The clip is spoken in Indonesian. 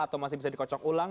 atau masih bisa dikocok ulang